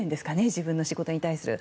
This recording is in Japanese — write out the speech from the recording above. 自分の仕事に対する。